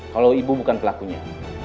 kalau ibu bukan pelakunya